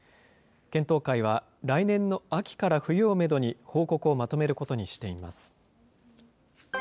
検討会は来年の秋から冬をメドに報告をまとめることにしています。